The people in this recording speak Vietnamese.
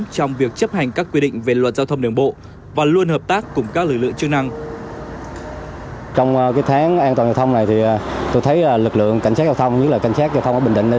trong cái tháng an toàn giao thông này thì tôi thấy lực lượng cảnh sát giao thông như là cảnh sát giao thông ở bình định này